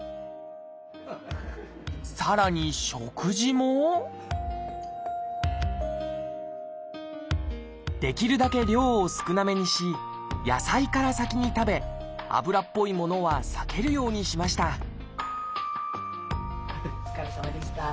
さらに食事もできるだけ量を少なめにし野菜から先に食べ油っぽいものは避けるようにしましたお疲れさまでした。